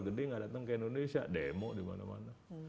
gede nggak datang ke indonesia demo di mana mana